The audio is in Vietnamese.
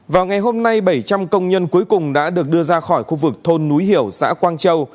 vào ngày hôm nay bảy trăm linh công nhân cuối cùng đã được đưa ra khỏi khu vực thôn núi hiểu xã quang châu